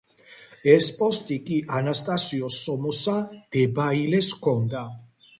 ეს პოსტი კი ანასტასიო სომოსა დებაილეს ჰქონდა.